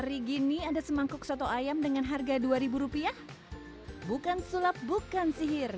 hari gini ada semangkuk soto ayam dengan harga dua ribu rupiah bukan sulap bukan sihir